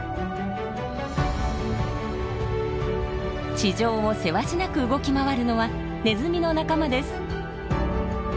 地上をせわしなく動き回るのはネズミの仲間です。